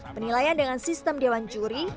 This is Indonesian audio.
penilaian dengan sistem dewan juri